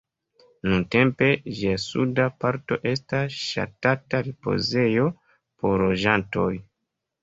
Nuntempe ĝia suda parto estas ŝatata ripozejo por loĝantoj.